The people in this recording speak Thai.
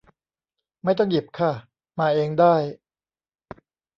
ไม่ต้องหยิบค่ะ มาเองได้